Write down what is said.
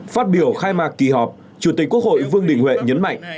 phát biểu khai mạc kỳ họp chủ tịch quốc hội vương đình huệ nhấn mạnh